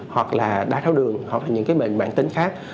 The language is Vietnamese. hoặc là đá tháo đường hoặc là những bệnh bản tính khác